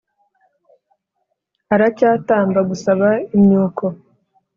Aracyatamba gusaba imyuko